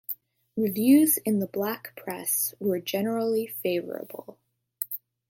Reviews in the black press were generally favorable.